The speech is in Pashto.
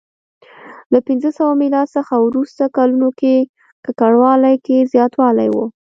له پنځه سوه میلاد څخه وروسته کلونو کې ککړوالي کې زیاتوالی و